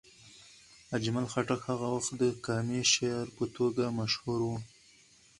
اجمل خټک هغه وخت د قامي شاعر په توګه مشهور و.